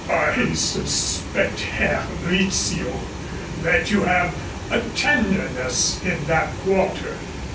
"I suspect, Herr Rizzio, that you have a tenderness in that quarter."